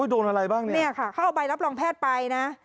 โดนอะไรบ้างเนี่ยค่ะเขาเอาใบรับรองแพทย์ไปนะ